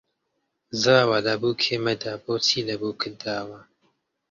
زاوا لە بووکێ مەدە بۆچی لە بووکت داوە